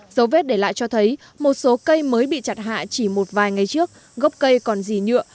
dấu vết để lại cho thấy một số cây mới bị chặt hạ chỉ một vài ngày trước gốc cây còn gì nhựa